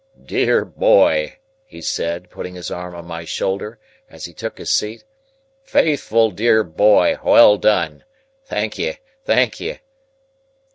"Dear boy!" he said, putting his arm on my shoulder, as he took his seat. "Faithful dear boy, well done. Thankye, thankye!"